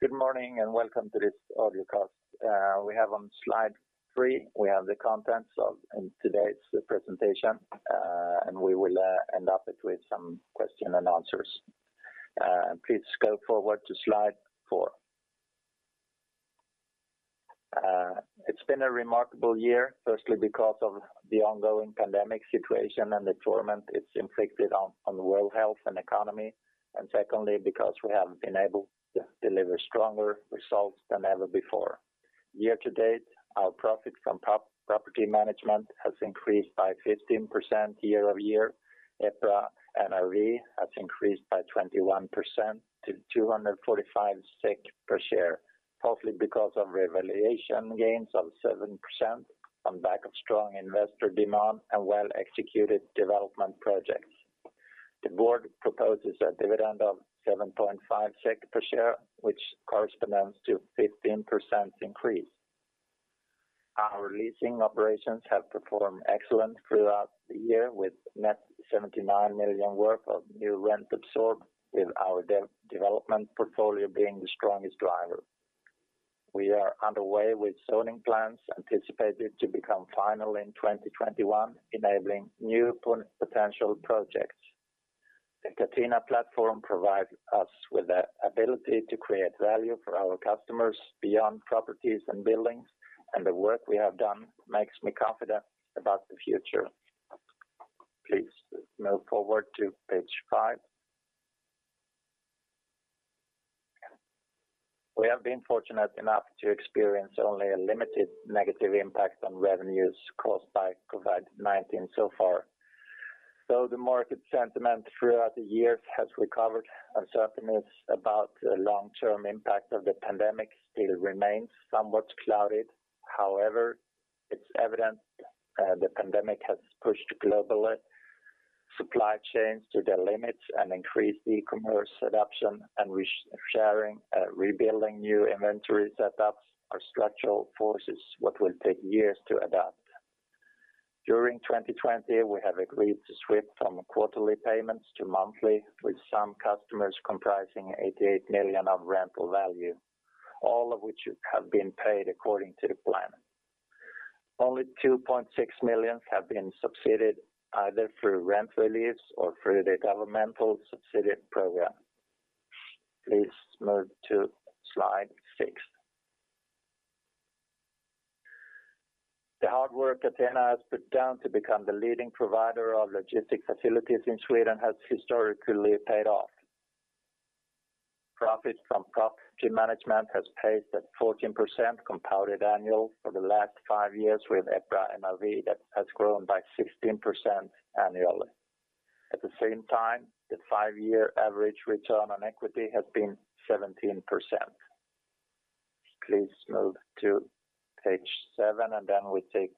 Good morning, and welcome to this audio cast. We have on slide three, we have the contents of today's presentation. We will end up it with some question-and-answers. Please go forward to slide four. It's been a remarkable year, firstly because of the ongoing pandemic situation and the torment it's inflicted on the world health and economy, and secondly, because we have been able to deliver stronger results than ever before. Year to date, our profit from property management has increased by 15% year-over-year. EPRA NRV has increased by 21% to 245 per share, partly because of revaluation gains of 7% on back of strong investor demand and well-executed development projects. The board proposes a dividend of 7.5 SEK per share, which corresponds to 15% increase. Our leasing operations have performed excellent throughout the year with net 79 million worth of new rent absorbed with our development portfolio being the strongest driver. We are underway with zoning plans anticipated to become final in 2021, enabling new potential projects. The Catena platform provides us with the ability to create value for our customers beyond properties and buildings, and the work we have done makes me confident about the future. Please move forward to page five. We have been fortunate enough to experience only a limited negative impact on revenues caused by COVID-19 so far. Though the market sentiment throughout the years has recovered, uncertainties about the long-term impact of the pandemic still remains somewhat clouded. However, it's evident the pandemic has pushed global supply chains to their limits and increased e-commerce adoption and reshoring, rebuilding new inventory setups are structural forces what will take years to adapt. During 2020, we have agreed to switch from quarterly payments to monthly with some customers comprising 88 million of rental value, all of which have been paid according to the plan. Only 2.6 million have been subsidized either through rent reliefs or through the governmental subsidy program. Please move to slide six. The hard work Catena has put down to become the leading provider of logistic facilities in Sweden has historically paid off. Profits from property management has paced at 14% compounded annual for the last five years with EPRA NRV that has grown by 16% annually. At the same time, the five-year average return on equity has been 17%. Please move to page seven, and then we take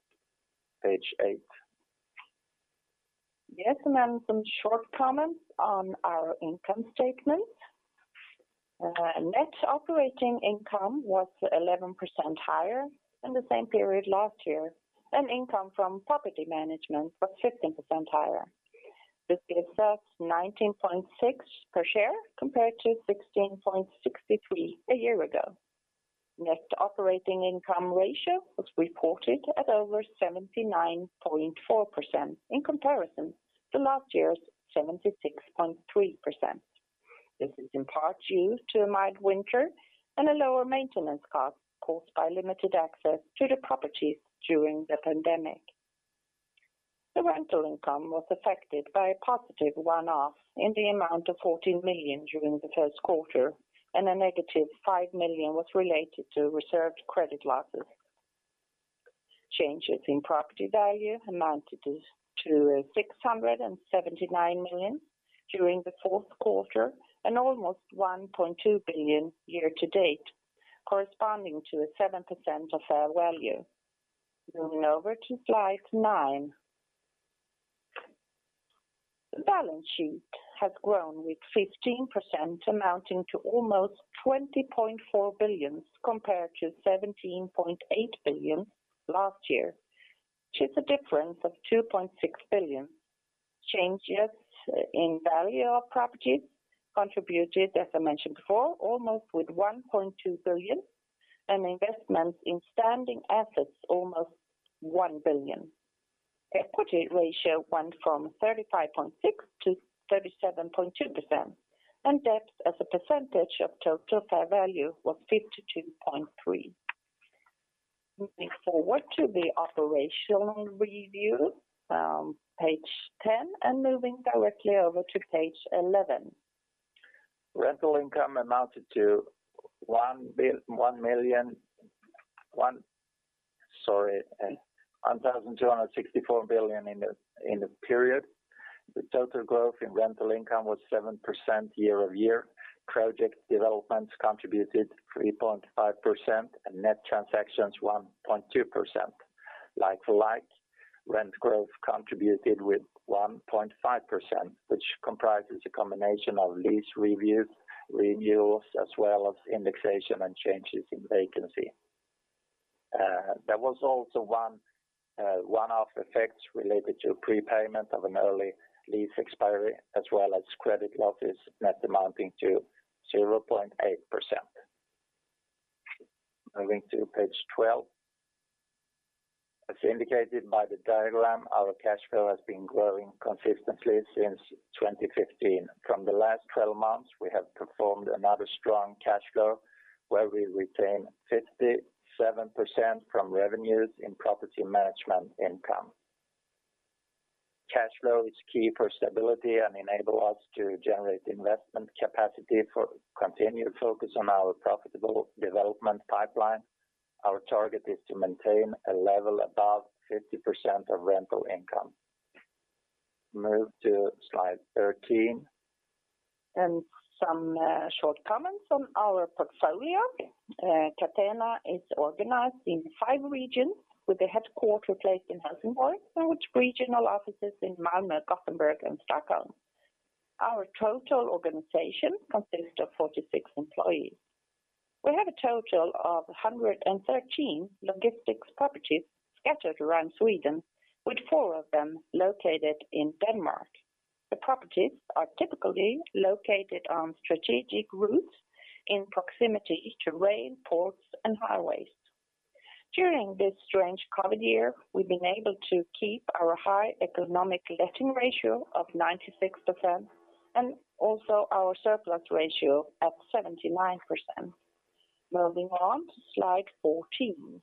page eight. Some short comments on our income statement. Net operating income was 11% higher than the same period last year, and income from property management was 15% higher. This gives us 19.6 per share compared to 16.63 a year ago. Net operating income ratio was reported at over 79.4% in comparison to last year's 76.3%. This is in part due to a mild winter and a lower maintenance cost caused by limited access to the properties during the pandemic. The rental income was affected by a positive one-off in the amount of 14 million during the first quarter, and a negative 5 million was related to reserved credit losses. Changes in property value amounted to 679 million during the fourth quarter and almost 1.2 billion year-to-date, corresponding to a 7% of fair value. Moving over to slide nine. The balance sheet has grown with 15% amounting to almost 20.4 billion compared to 17.8 billion last year, which is a difference of 2.6 billion. Changes in value of properties contributed, as I mentioned before, almost with 1.2 billion and investments in standing assets almost 1 billion. The equity ratio went from 35.6% to 37.2%, and debt as a percentage of total fair value was 52.3%. Moving forward to the operational review, page 10, and moving directly over to page 11. Rental income amounted to 1,264 billion in the period. The total growth in rental income was 7% year-over-year. Project developments contributed 3.5% and net transactions 1.2%. Like-for-like rent growth contributed with 1.5%, which comprises a combination of lease reviews, renewals, as well as indexation and changes in vacancy. There was also one-off effects related to prepayment of an early lease expiry, as well as credit losses net amounting to 0.8%. Moving to page 12. As indicated by the diagram, our cash flow has been growing consistently since 2015. From the last 12 months, we have performed another strong cash flow where we retain 57% from revenues in property management income. Cash flow is key for stability and enable us to generate investment capacity for continued focus on our profitable development pipeline. Our target is to maintain a level above 50% of rental income. Move to slide 13. Some short comments on our portfolio. Catena is organized in five regions with the headquarter placed in Helsingborg, and with regional offices in Malmö, Gothenburg, and Stockholm. Our total organization consists of 46 employees. We have a total of 113 logistics properties scattered around Sweden, with four of them located in Denmark. The properties are typically located on strategic routes in proximity to rail, ports, and highways. During this strange COVID year, we've been able to keep our high economic letting ratio of 96%, and also our surplus ratio at 79%. Moving on to slide 14.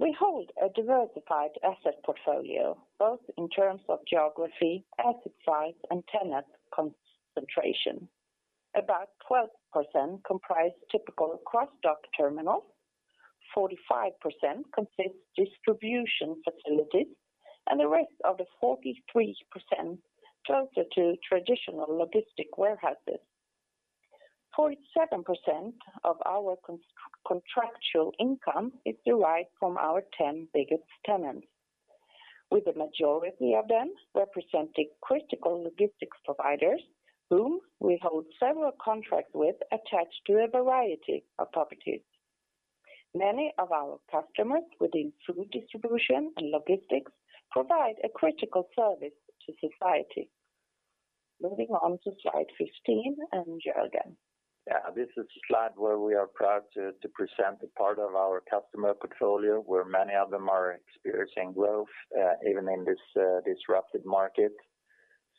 We hold a diversified asset portfolio, both in terms of geography, asset size, and tenant concentration. About 12% comprise typical cross-dock terminals, 45% consists distribution facilities, and the rest of the 43% closer to traditional logistic warehouses. 47% of our contractual income is derived from our 10 biggest tenants, with the majority of them representing critical logistics providers whom we hold several contracts with attached to a variety of properties. Many of our customers within food distribution and logistics provide a critical service to society. Moving on to slide 15, and Jörgen. Yeah. This is a slide where we are proud to present a part of our customer portfolio, where many of them are experiencing growth even in this disrupted market.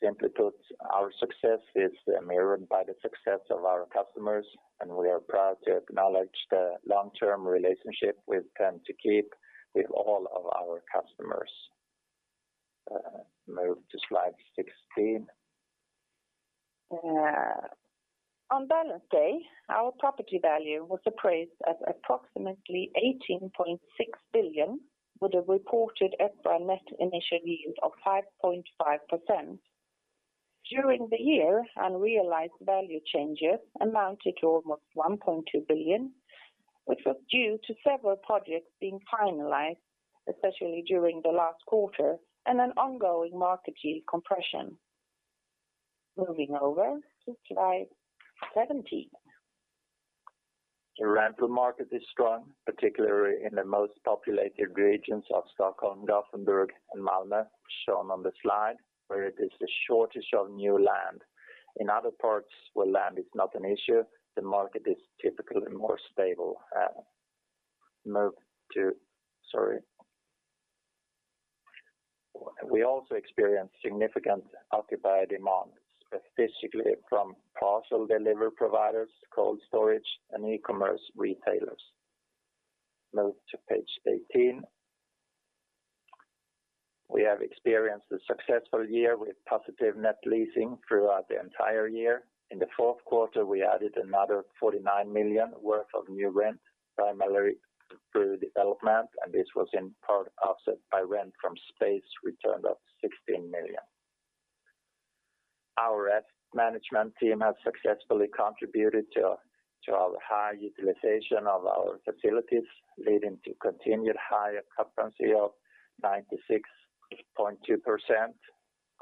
Simply put, our success is mirrored by the success of our customers, and we are proud to acknowledge the long-term relationship we tend to keep with all of our customers. Move to slide 16. On balance day, our property value was appraised at approximately 18.6 billion, with a reported EPRA net initial yield of 5.5%. During the year, unrealized value changes amounted to almost 1.2 billion, which was due to several projects being finalized, especially during the last quarter, and an ongoing market yield compression. Moving over to slide 17. The rental market is strong, particularly in the most populated regions of Stockholm, Gothenburg, and Malmö, shown on the slide, where it is the shortage of new land. In other parts where land is not an issue, the market is typically more stable. We also experienced significant occupier demand, specifically from parcel delivery providers, cold storage, and e-commerce retailers. Move to page 18. We have experienced a successful year with positive net leasing throughout the entire year. In the fourth quarter, we added another 49 million worth of new rent, primarily through development, this was in part offset by rent from space returned of 16 million. Our asset management team has successfully contributed to our high utilization of our facilities, leading to continued high occupancy of 96.2%.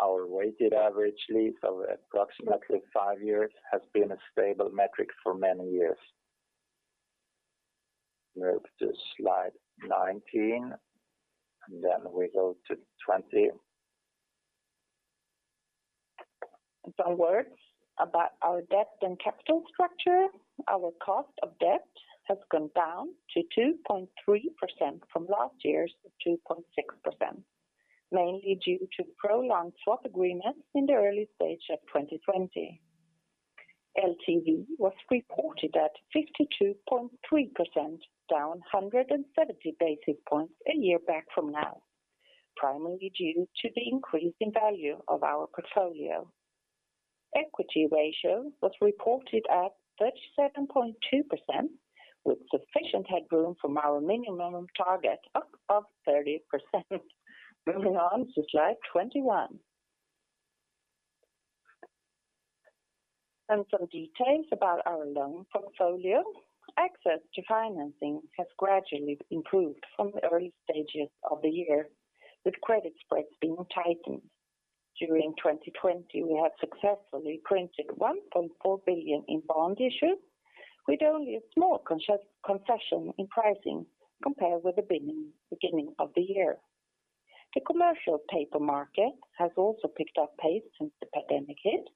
Our weighted average lease of approximately five years has been a stable metric for many years. Move to slide 19, and then we go to 20. Some words about our debt and capital structure. Our cost of debt has gone down to 2.3% from last year's 2.6%, mainly due to the prolonged swap agreement in the early stage of 2020. LTV was reported at 52.3%, down 170 basis points a year back from now, primarily due to the increase in value of our portfolio. Equity ratio was reported at 37.2%, with sufficient headroom from our minimum target up of 30%. Moving on to slide 21. Some details about our loan portfolio. Access to financing has gradually improved from the early stages of the year, with credit spreads being tightened. During 2020, we have successfully printed 1.4 billion in bond issues with only a small concession in pricing compared with the beginning of the year. The commercial paper market has also picked up pace since the pandemic hit,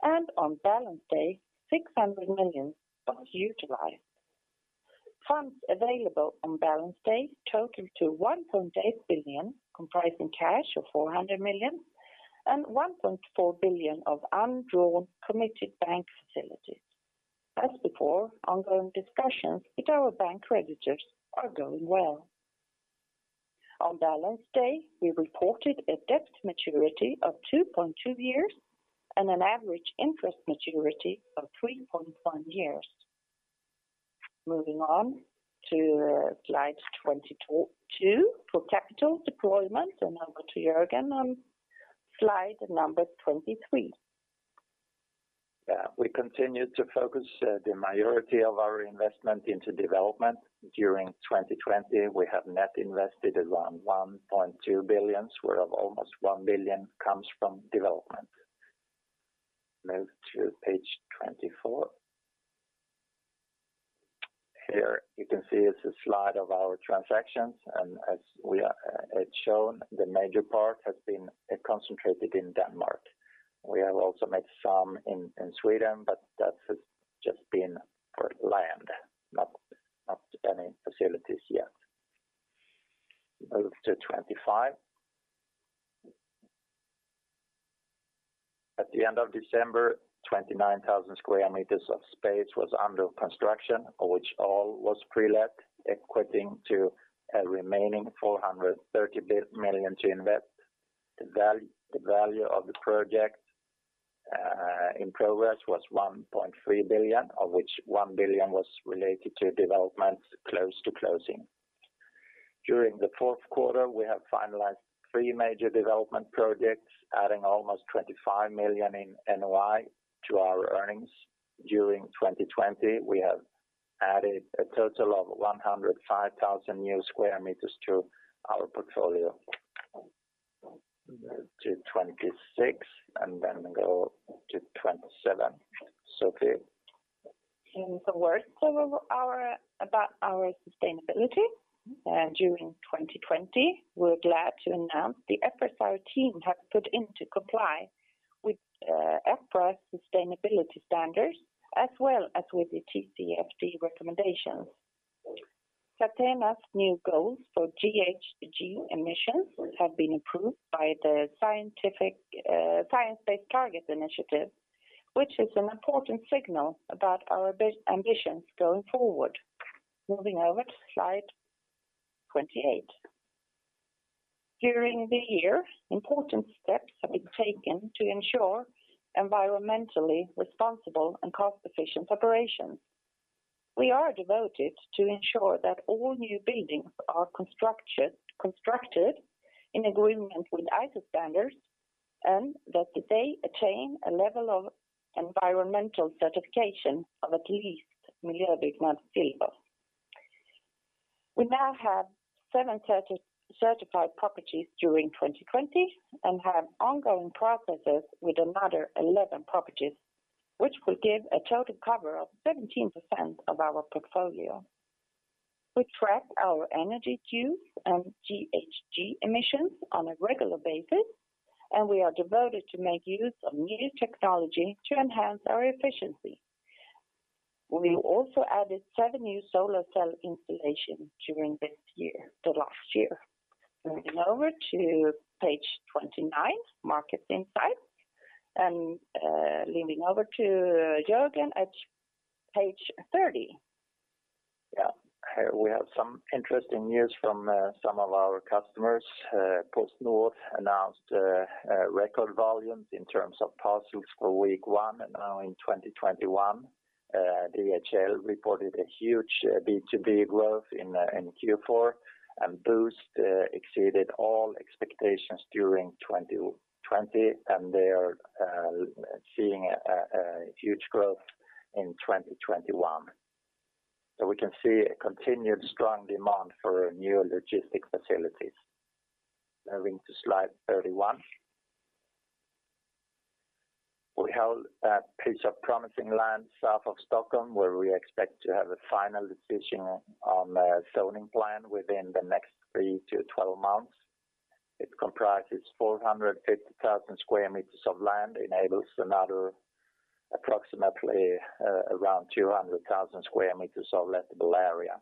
and on balance day, 600 million was utilized. Funds available on balance day total to 1.8 billion, comprising cash of 400 million and 1.4 billion of undrawn committed bank facilities. As before, ongoing discussions with our bank creditors are going well. On balance day, we reported a debt maturity of 2.2 years and an average interest maturity of 3.1 years. Moving on to slide 22 for capital deployment, and over to Jörgen on slide number 23. Yeah. We continued to focus the majority of our investment into development. During 2020, we have net invested around 1.2 billion, where almost 1 billion comes from development. Move to page 24. Here you can see it is a slide of our transactions. As shown, the major part has been concentrated in Denmark. We have also made some in Sweden, but that has just been for land, not any facilities yet. Move to 25. At the end of December, 29,000 sq m of space was under construction, which all was pre-let, equating to a remaining 430 million to invest. The value of the project in progress was 1.3 billion, of which 1 billion was related to developments close to closing. During the fourth quarter, we have finalized three major development projects, adding almost 25 million in NOI to our earnings. During 2020, we have added a total of 105,000 new sq m to our portfolio. Move to 26 and then go to 27. Sofie. Some words about our sustainability. During 2020, we're glad to announce the FSR team have put in to comply with EPRA's sustainability standards as well as with the TCFD recommendations. Catena's new goals for GHG emissions have been approved by the Science Based Targets initiative, which is an important signal about our ambitions going forward. Moving over to slide 28. During the year, important steps have been taken to ensure environmentally responsible and cost-efficient operations. We are devoted to ensure that all new buildings are constructed in agreement with ISO standards, and that they attain a level of environmental certification of at least Miljöbyggnad Silver. We now have seven certified properties during 2020 and have ongoing processes with another 11 properties, which will give a total cover of 17% of our portfolio. We track our energy use and GHG emissions on a regular basis, and we are devoted to make use of new technology to enhance our efficiency. We also added seven new solar cell installations during the last year. Moving over to page 29, market insight, and handing over to Jörgen at page 30. Yeah. We have some interesting news from some of our customers. PostNord announced record volumes in terms of parcels for week one now in 2021. DHL reported a huge B2B growth in Q4. Boozt exceeded all expectations during 2020. They are seeing a huge growth in 2021. We can see a continued strong demand for new logistics facilities. Moving to slide 31. We hold a piece of promising land south of Stockholm where we expect to have a final decision on the zoning plan within the next three to 12 months. It comprises 450,000 sq m of land, enables another approximately around 200,000 sq m of lettable area.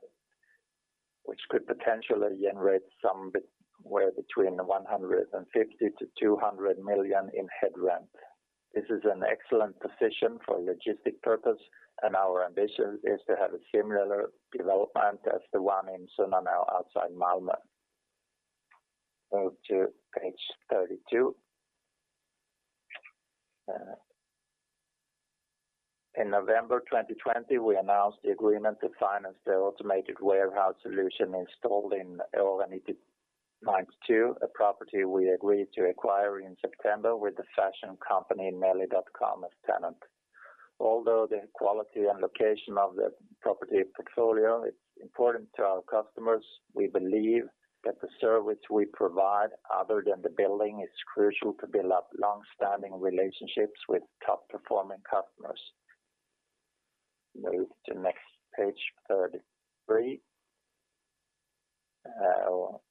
Could potentially generate somewhere between 150 million to 200 million in head rent. This is an excellent position for logistic purpose. Our ambition is to have a similar development as the one in Sunnerbo outside Malmö. Move to page 32. In November 2020, we announced the agreement to finance the automated warehouse solution installed in L892, a property we agreed to acquire in September with the fashion company Nelly.com as tenant. Although the quality and location of the property portfolio, it's important to our customers. We believe that the service we provide other than the building is crucial to build up long-standing relationships with top-performing customers. Move to next page, 33.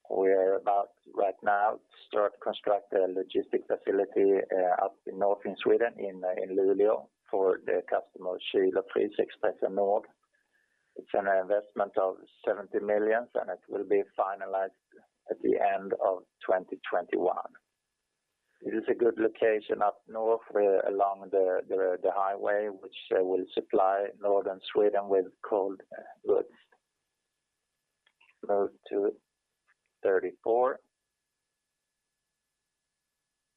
We are about right now to start construct a logistics facility up in northern Sweden in Luleå for the customer Kyl- och Frysexpressen Nord. It's an investment of 70 million, and it will be finalized at the end of 2021. It is a good location up north along the highway, which will supply northern Sweden with cold goods. Move to 34.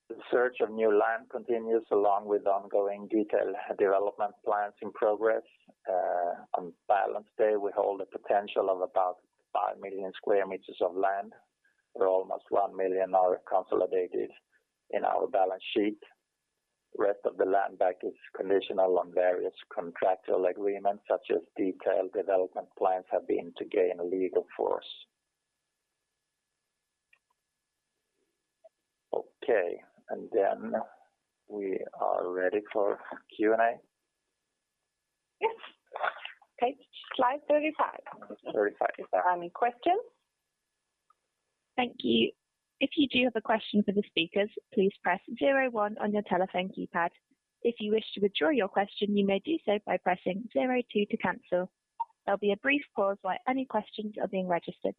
The search of new land continues along with ongoing detailed development plans in progress. On balance day, we hold the potential of about 5 million sq m of land. We're almost 1 million consolidated in our balance sheet. Rest of the land back is conditional on various contractual agreements, such as detailed development plans have been to gain legal force. Okay, we are ready for Q&A. Yes. Okay. Slide 35. 35. Are there any questions? Thank you. If you do have a question for the speakers, please press zero one on your telephone keypad. If you wish to withdraw your question, you may do so by pressing zero two to cancel. There'll be a brief pause while any questions are being registered.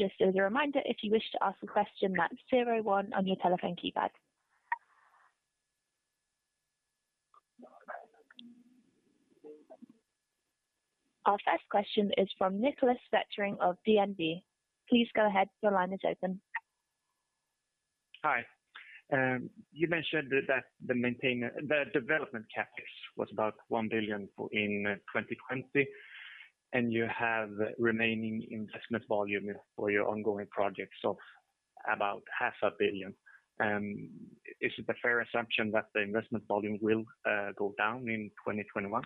Just as a reminder, if you wish to ask a question, that's zero one on your telephone keypad. Our first question is from Niklas Wetterling of DNB. Please go ahead. Your line is open. Hi. You mentioned that the development CapEx was about 1 billion in 2020. You have remaining investment volume for your ongoing projects of about 500 million. Is it a fair assumption that the investment volume will go down in 2021?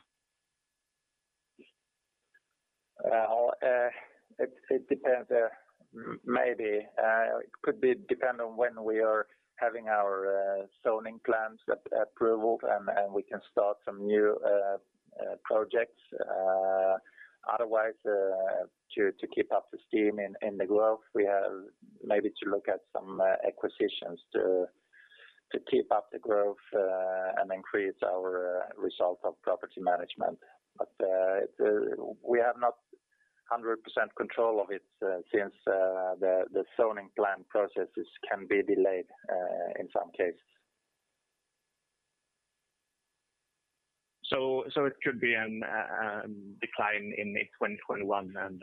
It depends. Maybe. It could depend on when we are having our zoning plans approval, and we can start some new projects. Otherwise, to keep up the steam in the growth, we have maybe to look at some acquisitions to keep up the growth and increase our result of property management. We have not 100% control of it since the zoning plan processes can be delayed in some cases. It could be a decline in 2021 and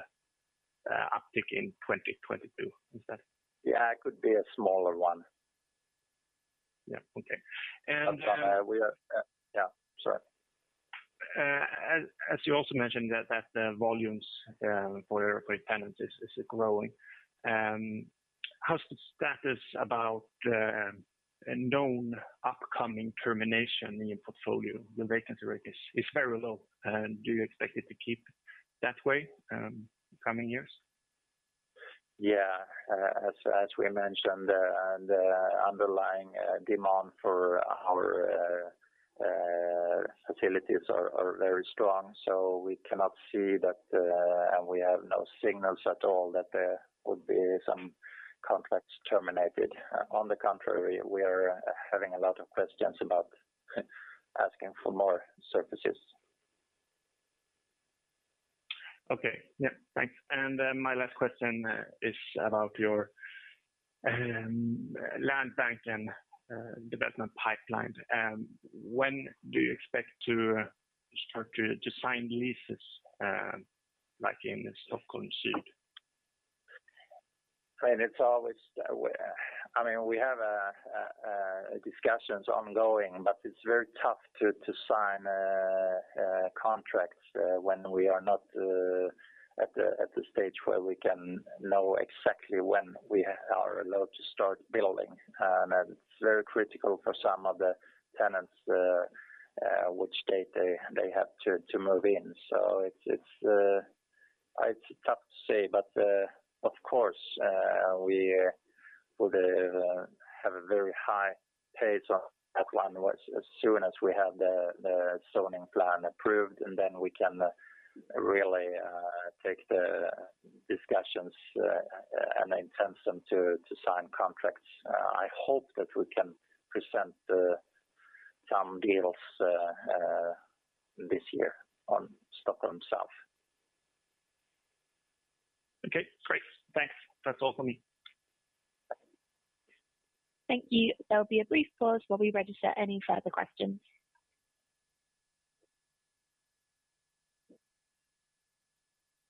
uptick in 2022. Yeah, it could be a smaller one. Yeah. Okay. Yeah, sorry. As you also mentioned that the volumes for your tenants is growing. How's the status about the known upcoming termination in your portfolio? The vacancy rate is very low. Do you expect it to keep that way coming years? Yeah. As we mentioned, the underlying demand for our facilities are very strong, so we cannot see that, and we have no signals at all that there would be some contracts terminated. On the contrary, we are having a lot of questions about asking for more services. Okay. Yeah. Thanks. My last question is about your land bank and development pipeline. When do you expect to start to sign leases, like in Stockholm South? We have discussions ongoing. It's very tough to sign contracts when we are not at the stage where we can know exactly when we are allowed to start building. It's very critical for some of the tenants which date they have to move in. It's tough to say, but of course, we would have a very high pace on that one as soon as we have the zoning plan approved. Then we can really take the discussions and intensify them to sign contracts. I hope that we can present some deals this year on Stockholm South. Okay, great. Thanks. That's all for me. Thank you. There'll be a brief pause while we register any further questions.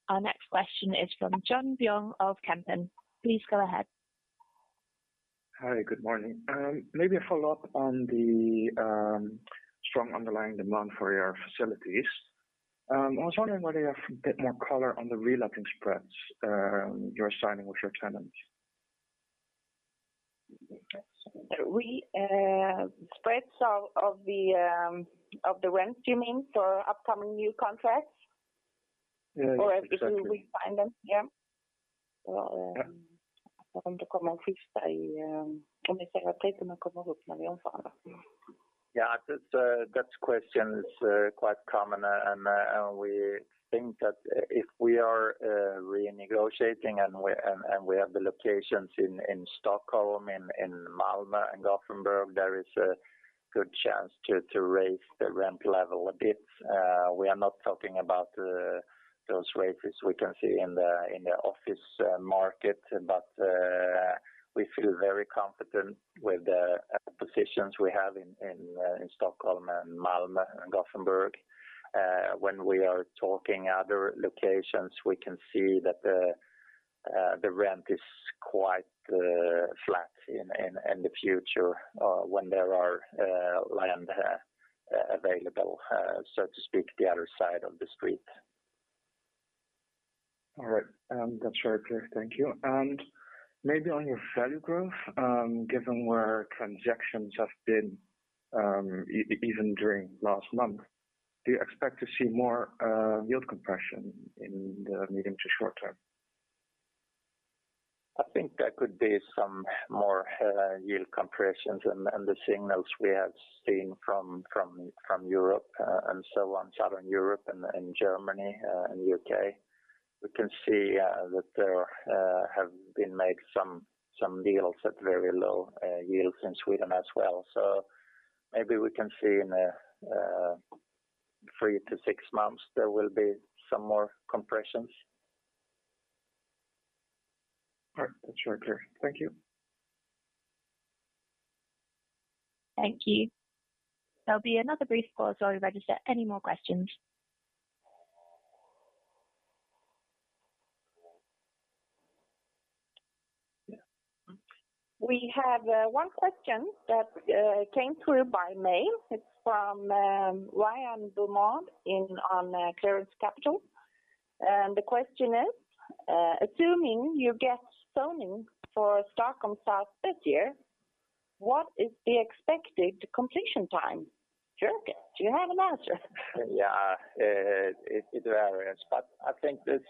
Our next question is from John Vuong of Kempen. Please go ahead. Hi, good morning. Maybe a follow-up on the strong underlying demand for your facilities. I was wondering whether you have a bit more color on the reletting spreads you're signing with your tenants. Spreads of the rent you mean for upcoming new contracts? Yeah, exactly. If we re-sign them? Yeah. That question is quite common, and we think that if we are renegotiating and we have the locations in Stockholm, in Malmö, and Gothenburg, there is a good chance to raise the rent level a bit. We are not talking about those raises we can see in the office market. We feel very confident with the positions we have in Stockholm, Malmö, and Gothenburg. When we are talking other locations, we can see that the rent is quite flat in the future when there is land available, so to speak, the other side of the street. All right. That's very clear. Thank you. Maybe on your value growth, given where transactions have been, even during last month, do you expect to see more yield compression in the medium to short term? I think there could be some more yield compressions and the signals we have seen from Europe and so on, Southern Europe and Germany and U.K. We can see that there have been made some deals at very low yields in Sweden as well. Maybe we can see in 3 to 6 months, there will be some more compressions. All right. That's very clear. Thank you. Thank you. There'll be another brief pause while we register any more questions. We have one question that came through by mail. It's from Ryan Beaumont on Clearance Clearance Capital. The question is: assuming you get zoning for Stockholm South this year, what is the expected completion time? Jörgen, do you have an answer? Yeah. It varies, but I think this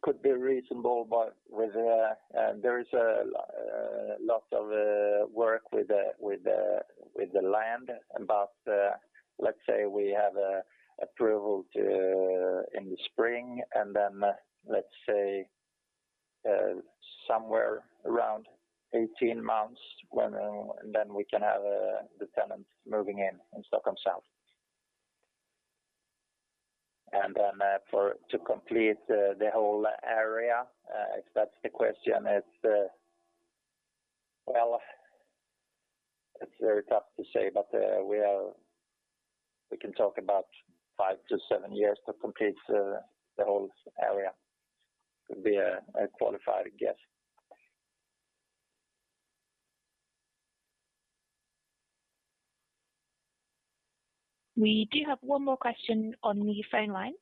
could be reasonable. There is a lot of work with the land, but let's say we have approval in the spring, and then let's say somewhere around 18 months. Then we can have the tenants moving in Stockholm South. To complete the whole area, if that's the question, well, it's very tough to say, but we can talk about 5-7 years to complete the whole area, could be a qualified guess. We do have one more question on the phone line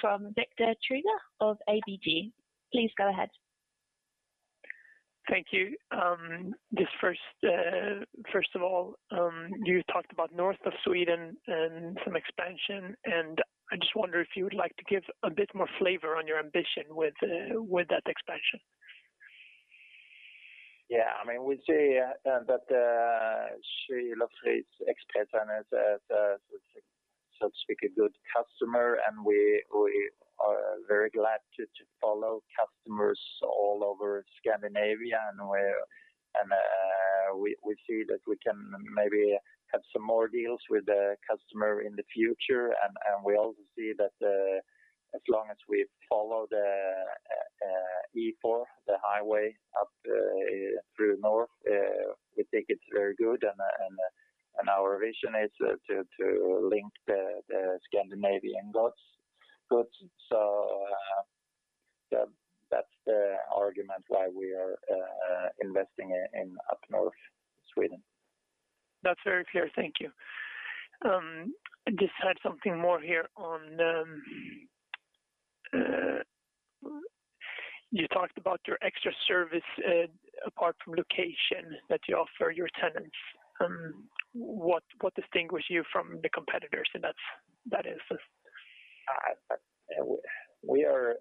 from Victor Krüeger of ABG. Please go ahead. Thank you. Just first of all, you talked about north of Sweden and some expansion, and I just wonder if you would like to give a bit more flavor on your ambition with that expansion. Yeah. We see that Sjöholm & Frykberg is, so to speak, a good customer. We are very glad to follow customers all over Scandinavia. We see that we can maybe have some more deals with the customer in the future. We also see that as long as we follow the E4, the highway up through north, we think it's very good. Our vision is to link the Scandinavian goods. That's the argument why we are investing in up North Sweden. That's very clear. Thank you. I just had something more here on You talked about your extra service apart from location that you offer your tenants. What distinguish you from the competitors in that instance? We are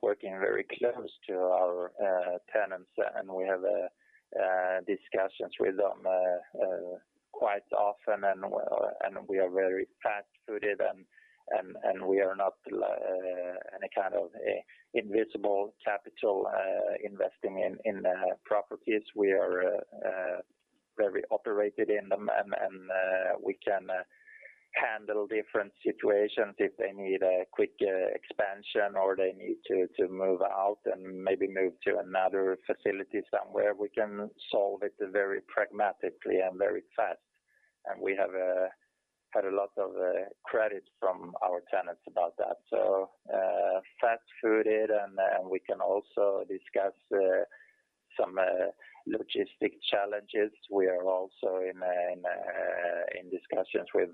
working very close to our tenants, and we have discussions with them quite often, and we are very fast-footed, and we are not any kind of invisible capital investing in properties. We are very operated in them, and we can handle different situations if they need a quick expansion or they need to move out and maybe move to another facility somewhere. We can solve it very pragmatically and very fast. We have had a lot of credit from our tenants about that. Fast-footed, we can also discuss some logistics challenges. We are also in discussions with,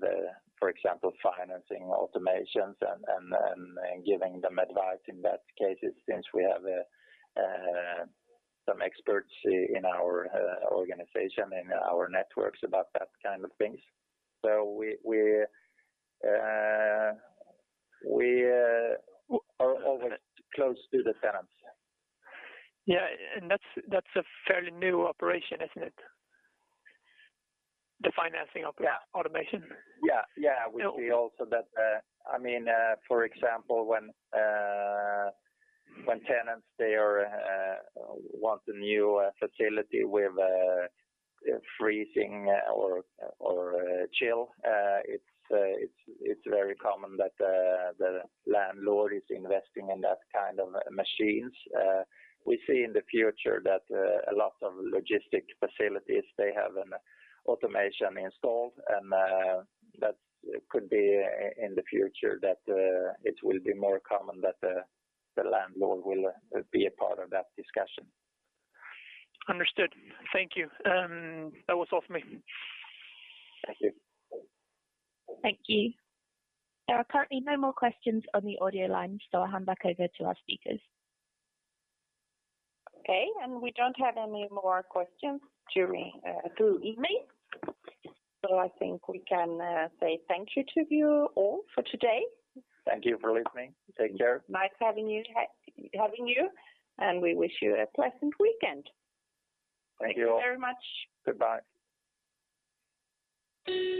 for example, financing automations and giving them advice in best cases since we have some experts in our organization and our networks about that kind of things. We are always close to the tenants. Yeah. That's a fairly new operation, isn't it? The financing of automation. For example, when tenants want a new facility with freezing or chill, it is very common that the landlord is investing in that kind of machines. We see in the future that a lot of logistic facilities have an automation installed, and that could be in the future that it will be more common that the landlord will be a part of that discussion. Understood. Thank you. That was all from me. Thank you. Thank you. There are currently no more questions on the audio line, so I'll hand back over to our speakers. Okay, we don't have any more questions through email. I think we can say thank you to you all for today. Thank you for listening. Take care. Nice having you. We wish you a pleasant weekend. Thank you all. Thank you very much. Goodbye.